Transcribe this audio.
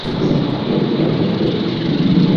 এক পায়ের পরে আরেক পা।